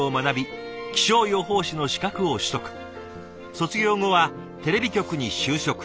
卒業後はテレビ局に就職。